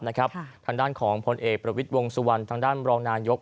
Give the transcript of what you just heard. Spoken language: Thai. ทางด้านของพลเอกประวิทย์วงสุวรรณทางด้านรองนายก